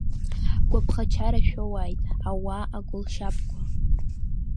Гәаԥха-чара шәоуааит, ауаа-агәылшьапқәа!